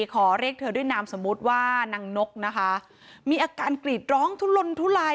ขอเรียกเธอด้วยนามสมมุติว่านางนกนะคะมีอาการกรีดร้องทุลนทุลาย